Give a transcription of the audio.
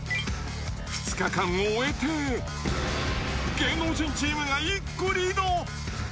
２日間終えて、芸能人チームが１個リード。